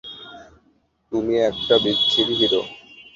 তুমি একটা বিচ্ছিরি হিরো!